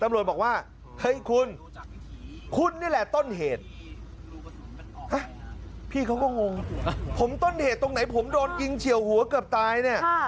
บอกว่าเฮ้ยคุณคุณนี่แหละต้นเหตุพี่เขาก็งงผมต้นเหตุตรงไหนผมโดนยิงเฉียวหัวเกือบตายเนี่ย